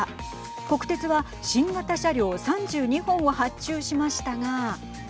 国鉄は新型車両３２本を発注しましたが。